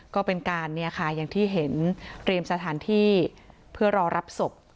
ก็เป็นการเนี่ยค่ะอย่างที่เห็นเตรียมสถานที่เพื่อรอรับศพ